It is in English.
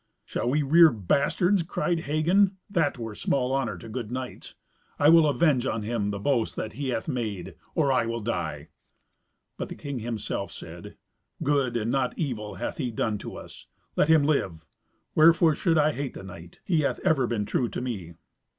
"Shall we rear bastards?" cried Hagen. "That were small honour to good knights. I will avenge on him the boast that he hath made, or I will die." But the king himself said, "Good, and not evil, hath he done to us. Let him live. Wherefore should I hate the knight? He hath ever been true to me."